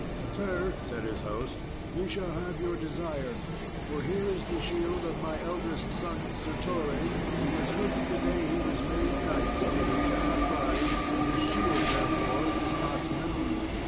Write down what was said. "Sir," said his host, "ye shall have your desire, for here is the shield of my eldest son, Sir Torre, who was hurt the day he was made knight, so that he cannot ride; and his shield, therefore, is not known.